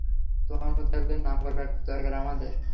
তোমার মতো একজন নামকরা ব্যক্তির দরকার আমাদের।